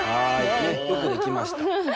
よくできました。